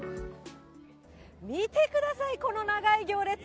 見てください、この長い行列。